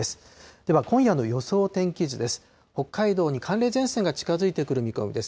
では、今夜の予想天気図です。